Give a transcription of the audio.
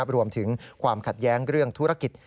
รวมถึงความขัดแย้งเรื่องธุรกิจ